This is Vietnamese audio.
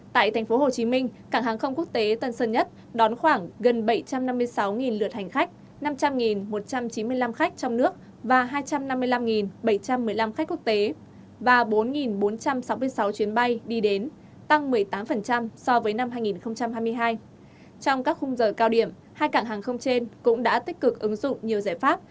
trong các khung giờ cao điểm hai cảng hàng không trên cũng đã tích cực ứng dụng nhiều giải pháp